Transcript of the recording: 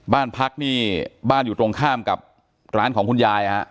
บ้านพักนี่บ้านอยู่ตรงข้ามกับร้านของคุณยายฮะ